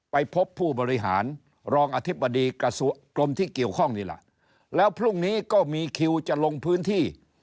ไปพบผู้บริหารรองอธิบดีกระทรวงกรมที่เกี่ยวข้องนี่แหละแล้วพรุ่งนี้ก็มีคิวจะลงพื้นที่